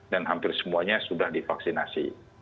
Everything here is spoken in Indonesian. dan hampir semuanya sudah divaksinasi